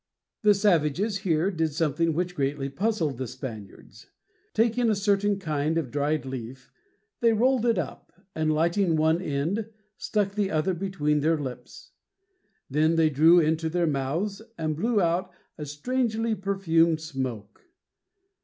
The savages here did something which greatly puzzled the Spaniards. Taking a certain kind of dried leaf, they rolled it up, and, lighting one end, stuck the other between their lips. Then they drew into their mouths and blew out a strangely perfumed smoke!